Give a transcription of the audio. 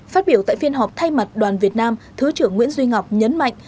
phát biểu tại phiên họp thay mặt đoàn việt nam thứ trưởng nguyễn duy ngọc nhấn mạnh